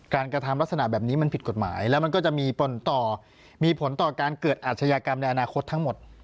กระทำลักษณะแบบนี้มันผิดกฎหมายแล้วมันก็จะมีผลต่อมีผลต่อการเกิดอาชญากรรมในอนาคตทั้งหมด